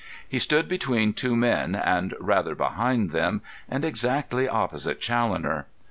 He stood between two men, and rather behind them, and exactly opposite Challoner.